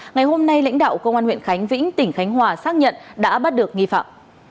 ngày hôm nay lãnh đạo công an huyện khánh vĩnh tỉnh khánh hòa xác nhận đã bắt được nghi phạm